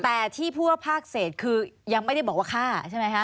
แต่ที่พูดว่าภาคเศษคือยังไม่ได้บอกว่าฆ่าใช่ไหมคะ